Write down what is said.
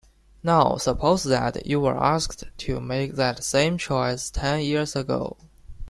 Now suppose that you were asked to make that same choice ten years ago.